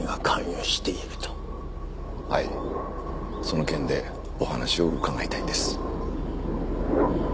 その件でお話を伺いたいんです。